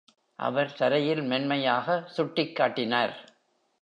அவர் தரையில் மென்மையாக சுட்டிக்காட்டினார்.